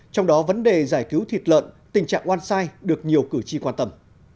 trong đó vấn đề giải cứu thịt lợn tình trạng one size được nhiều cử tri quan tâm